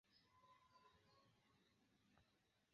Judaso fariĝis rabeno de la loka sinagogo.